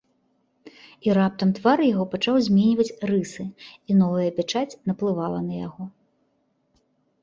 І раптам твар яго пачаў зменьваць рысы, і новая пячаць наплывала на яго.